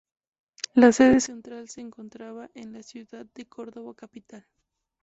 La sede central se encontraba en la ciudad de Córdoba capital.